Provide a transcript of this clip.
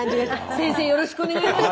先生よろしくお願いいたします。